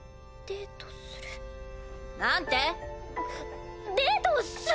デートするです！